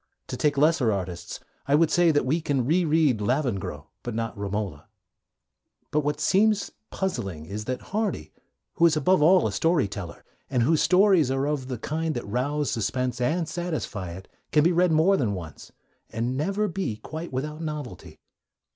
To take lesser artists, I would say that we can re read Lavengro but not Romola. But what seems puzzling is that Hardy, who is above all a story teller, and whose stories are of the kind that rouse suspense and satisfy it, can be read more than once, and never be quite without novelty.